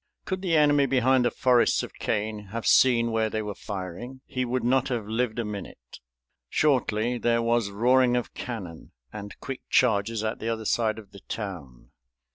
Could the enemy behind the forests of cane have seen where they were firing he would not have lived a minute. Shortly there was roaring of cannon and quick charges at the other side of the town.